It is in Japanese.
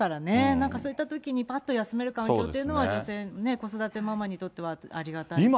なんかそういったときにぱっと休める環境というのは、女性、子育てママにとってはありがたいです。